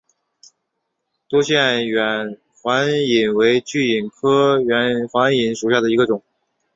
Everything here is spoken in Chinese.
多腺远环蚓为巨蚓科远环蚓属下的一个种。